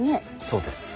そうです。